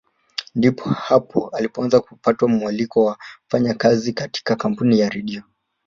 Ndipo hapo alipoanza kupata mwaliko wa kufanya kazi katika kampuni ya Redio